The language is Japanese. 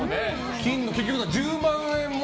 結局１０万円も。